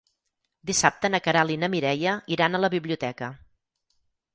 Dissabte na Queralt i na Mireia iran a la biblioteca.